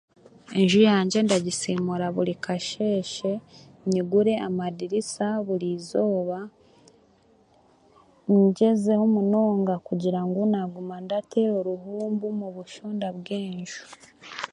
Enju yangye ndagisiimuura buri kasheeshe, nyigure amadirisa buriizooba, ngyezeho munonga kugira ngu ndaguma ndatereera oruhumbu omu nshonda zenju.